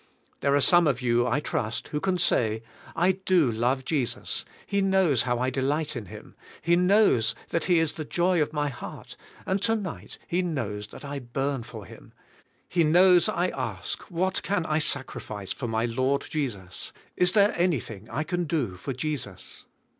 There are some of you, I trust, who can say, "I do love Jesus; He knows how I delight in Him; He knows that He is the joy of my heart, and tonight He knows that I burn for Him; He knows I ask, What can I sacrifice for my Lord Jesus? Is there anything I can do for Jesus?'